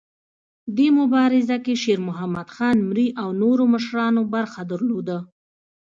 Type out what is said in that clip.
دې مبارزه کې شیرمحمد خان مري او نورو مشرانو برخه درلوده.